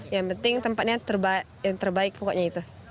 yang penting tempatnya yang terbaik pokoknya itu